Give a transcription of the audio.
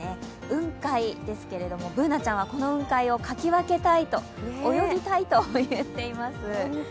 雲海ですけれども、Ｂｏｏｎａちゃんはこの雲海をかき分けたい、泳ぎたいと言っています。